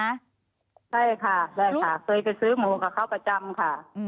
ใช่ค่ะใช่ค่ะเคยไปซื้อหมูกับเขาประจำค่ะ